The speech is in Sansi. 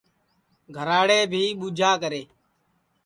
گھراڑے بھی ٻوجھا کرے